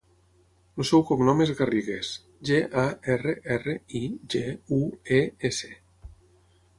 El seu cognom és Garrigues: ge, a, erra, erra, i, ge, u, e, essa.